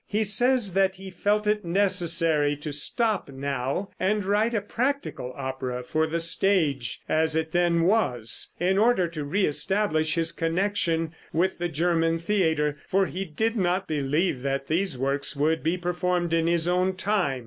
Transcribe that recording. He says that he felt it necessary to stop now and write a practical opera for the stage as it then was, in order to re establish his connection with the German theater, for he did not believe that these works would be performed in his own time.